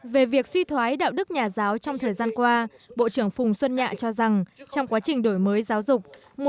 về việc suy thoái đạo đức nhà giáo trong thời gian qua bộ trưởng phùng xuân nhạ cho rằng trong quá trình đổi mới giáo dục